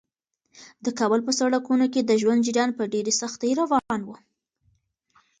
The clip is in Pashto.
د کابل په سړکونو کې د ژوند جریان په ډېرې سختۍ روان و.